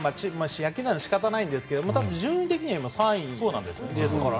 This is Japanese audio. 野球なので仕方ないんですけど順位的には３位ですから。